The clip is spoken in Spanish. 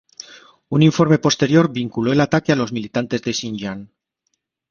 Un informe posterior vinculó el ataque a los militantes de Xinjiang.